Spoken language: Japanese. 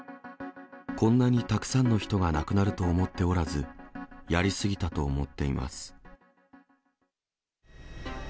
こんなにたくさんの人が亡くなると思っておらず、やり過ぎたと思っています。